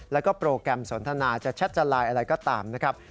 แล้วก็โปรแกรมสนทนาจะแชทจะไลน์อะไรก็ตามนะครับ